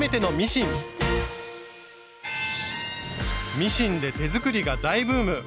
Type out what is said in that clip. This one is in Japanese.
ミシンで手作りが大ブーム。